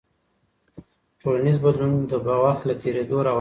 ټولنیز بدلون د وخت له تېرېدو راولاړېږي.